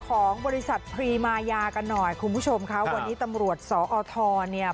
ของบริษัทพรีมายากันหน่อยคุณผู้ชมค่ะวันนี้ตำรวจสอทเนี่ย